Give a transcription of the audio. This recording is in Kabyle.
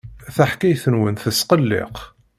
Taḥkayt-nwen tesqelliq.